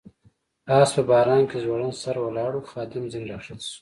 آس په باران کې ځوړند سر ولاړ و، خادم ځنې را کښته شو.